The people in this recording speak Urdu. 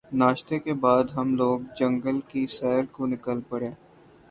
ناشتے کے بعد ہم لوگ جنگل کی سیر کو نکل پڑے